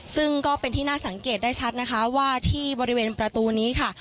ซึ่งก็เป็นที่น่าสังเกตได้ชัดนะคะว่าที่บริเวณประตูนี้ค่ะ